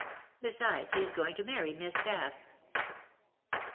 Besides, he is going to marry Miss Cass."